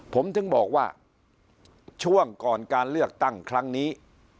ผมถึงบอกว่าช่วงก่อนการเลือกตั้งครั้งนี้